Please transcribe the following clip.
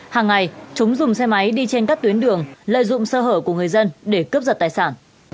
hàng ngày chúng dùng xe máy đi trên các tuyến đường lợi dụng sơ hở của người dân để cướp giật tài sản